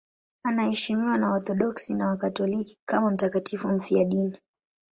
Anaheshimiwa na Waorthodoksi na Wakatoliki kama mtakatifu mfiadini.